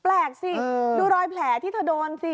แปลกสิดูรอยแผลที่เธอโดนสิ